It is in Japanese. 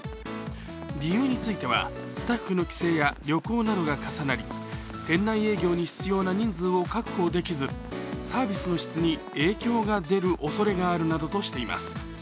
理由については、スタッフの帰省や旅行などが重なり、店内営業に必要な人数を確保できずサービスの質に影響が出るおそれがあるなどとしています。